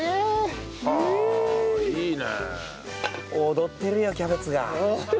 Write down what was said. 踊ってるよキャベツが。